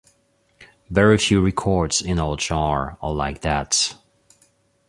Very few records in our genre are like that.